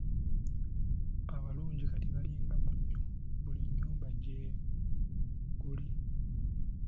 Abalungi kati balinga munnyo buli nnyumba gyeguli.